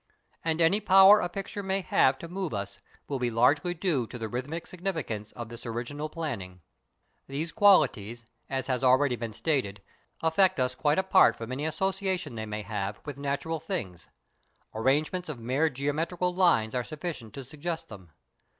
And any power a picture may have to move us will be largely due to the rhythmic significance of this original planning. These qualities, as has already been stated, affect us quite apart from any association they may have with natural things: arrangements of mere geometrical lines are sufficient to suggest them.